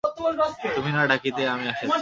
তুমি না ডাকিতেই আমি আসিয়াছি।